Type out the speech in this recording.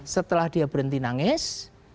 setelah dia berhenti nangis